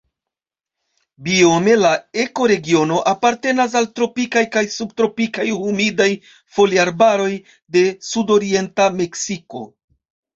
Biome la ekoregiono apartenas al tropikaj kaj subtropikaj humidaj foliarbaroj de sudorienta Meksiko.